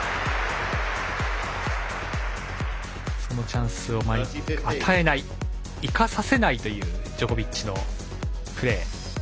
そのチャンスを与えない生かさせないというジョコビッチのプレー。